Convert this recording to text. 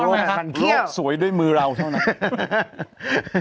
โรคสวยด้วยมือเราเท่านั้น